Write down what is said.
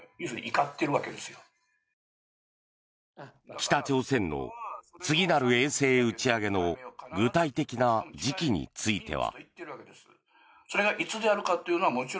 北朝鮮の次なる衛星打ち上げの具体的な時期については。